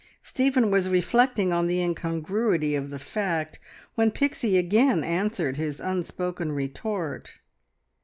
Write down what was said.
Stephen was reflecting on the incongruity of the fact, when Pixie again answered his unspoken retort.